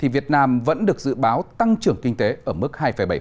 việt nam vẫn được dự báo tăng trưởng kinh tế ở mức hai bảy